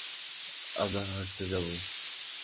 আমরা হাঁটতে যাবো।